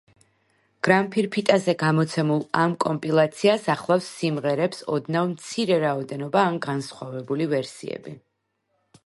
გრამფირფიტაზე გამოცემულ ამ კომპილაციას ახლავს სიმღერებს ოდნავ მცირე რაოდენობა ან განსხვავებული ვერსიები.